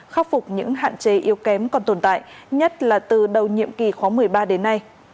khắc phục những hạn chế yếu kém còn tồn tại nhất là từ đầu nhiệm kỳ khóa một mươi ba đến nay